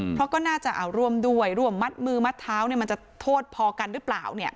เพราะก็น่าจะเอาร่วมด้วยร่วมมัดมือมัดเท้ามันจะโทษพอกันหรือเปล่า